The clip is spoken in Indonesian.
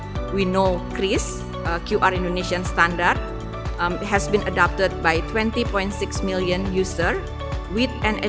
kami tahu kriz standard bank indonesia telah diadopsi oleh dua puluh enam juta pengguna